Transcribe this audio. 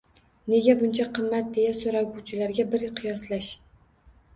Nega buncha qimmat deya so‘raguvchilarga bir qiyoslash